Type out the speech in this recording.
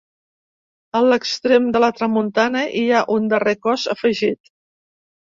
A l'extrem de tramuntana hi ha un darrer cos afegit.